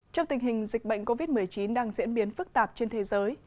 trong tình hình dịch bệnh covid một mươi chín đang diễn biến phức tạp trên thế giới